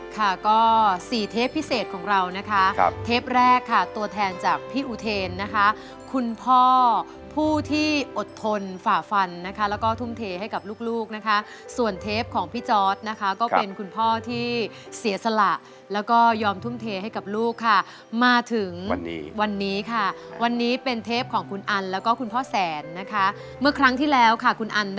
ค่ะก็๔เทปพิเศษของเรานะคะเทปแรกค่ะตัวแทนจากพี่อูเทนนะคะคุณพ่อผู้ที่อดทนฝ่าฟันนะคะแล้วก็ทุ่มเทให้กับลูกนะคะส่วนเทปของพี่จอดนะคะก็เป็นคุณพ่อที่เสียสละแล้วก็ยอมทุ่มเทให้กับลูกค่ะมาถึงวันนี้ค่ะวัน